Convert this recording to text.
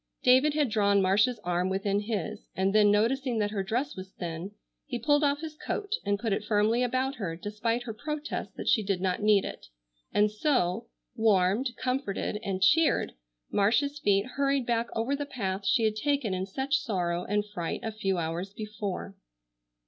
David had drawn Marcia's arm within his, and then, noticing that her dress was thin, he pulled off his coat and put it firmly about her despite her protest that she did not need it, and so, warmed, comforted, and cheered Marcia's feet hurried back over the path she had taken in such sorrow and fright a few hours before.